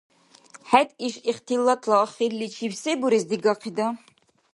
ХӀед иш ихтилатла ахирличиб се бурес дигахъади?